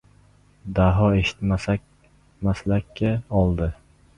Daho eshitmaslakka oldi.